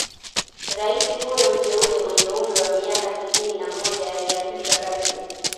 Rais huyo mteule mwenye umri wa miaka sitini na moja aliapishwa rasmi